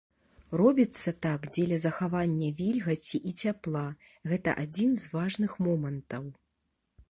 Робіцца так дзеля захавання вільгаці і цяпла, гэта адзін з важных момантаў.